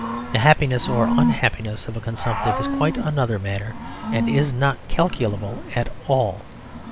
The happiness or unhappiness of a consumptive is quite another matter, and is not calculable at all.